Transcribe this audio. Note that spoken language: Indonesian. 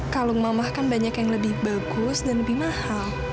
kalung mamah kan banyak yang lebih bagus dan lebih mahal